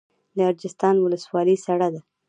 د اجرستان ولسوالۍ سړه ده